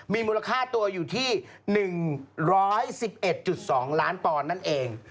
มีมูลค่าตัวอยู่ที่๑๑๑๒ล้านปอนด์นั่นเอง